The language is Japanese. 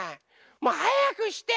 もうはやくして！